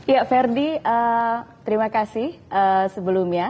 ya ferdi terima kasih sebelumnya